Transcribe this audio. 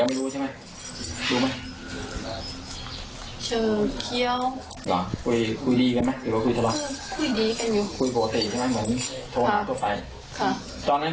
กู้เขาไง